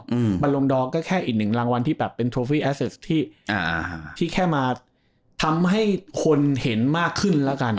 อืมบรรลงดอร์ก็แค่อีกหนึ่งรางวัลที่แบบเป็นโทฟี่แอสเซสที่อ่าที่แค่มาทำให้คนเห็นมากขึ้นแล้วกัน